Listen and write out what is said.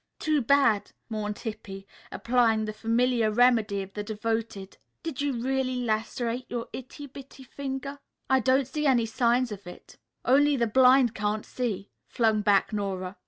"Too bad," mourned Hippy, applying the familiar remedy of the devoted. "Did you really lacerate your itty bitty finger? I don't see any signs of it." "Only the blind can't see," flung back Nora.